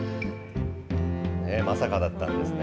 まさかだったんですね。